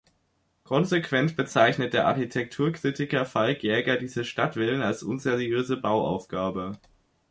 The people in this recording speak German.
Konsequent bezeichnet der Architekturkritiker Falk Jaeger diese "Stadtvillen" als „unseriöse Bauaufgabe“.